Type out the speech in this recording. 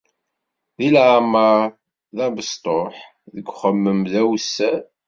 Deg leɛmer d abezṭuḥ, deg uxemmem d awessar